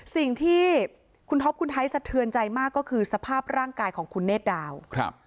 สิ่งที่คุณท็อปคุณไทยสะเทือนใจมากก็คือสภาพร่างกายของคุณเนธดาวครับ